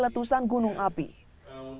yang terjadi di jawa timur